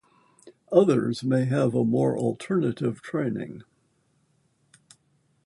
Others may have a more alternative training.